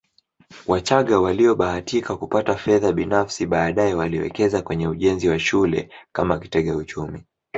Wachagga waliobahatika kupata fedha binafsi baadaye waliwekeza kwenye ujenzi wa shule kama kitega uchumi